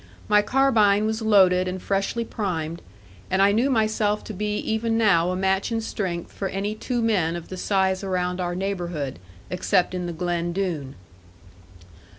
My carbine was loaded and freshly primed, and I knew myself to be even now a match in strength for any two men of the size around our neighbourhood, except in the Glen Doone.